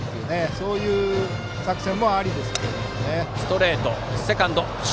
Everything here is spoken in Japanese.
そういう作戦もありですね。